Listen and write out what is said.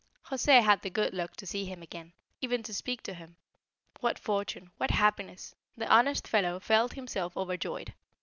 José had the good luck to see him again, even to speak to him. What fortune what happiness! The honest fellow felt himself overjoyed.